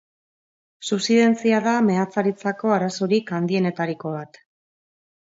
Subsidentzia da meatzaritzako arazorik handienetariko bat.